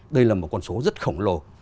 đây là một con số rất khổng lồ